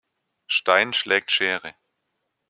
Stein schlägt Schere.